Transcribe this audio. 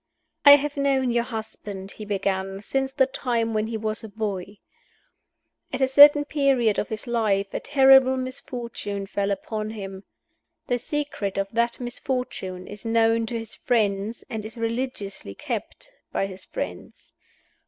"I have known your husband," he began, "since the time when he was a boy. At a certain period of his past life a terrible misfortune fell upon him. The secret of that misfortune is known to his friends, and is religiously kept by his friends.